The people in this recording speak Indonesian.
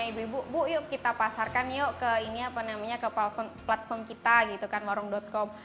ibu ibu bu yuk kita pasarkan yuk ke ini apa namanya ke platform kita gitu kan warung com